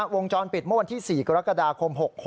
วงจรปิดเมื่อวันที่๔กรกฎาคม๖๖